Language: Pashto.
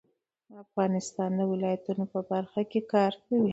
افغانستان د ولایتونو په برخه کې کار کوي.